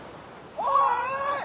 おい！